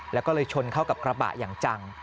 แล้วก็เลยชนเข้ากับกระบะอย่างจัง